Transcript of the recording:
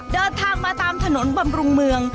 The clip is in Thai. เดินทางมาตามถนนบำรุงเมือง